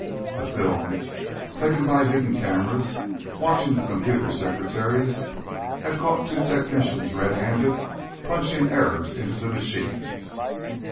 The films, taken by hidden cameras watching the computer secretaries, had caught two technicians red handed punching errors into the machines.